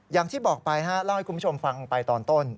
อย่างที่บอกไปเล่าให้คุณผู้ชมฟังไปตอนต้น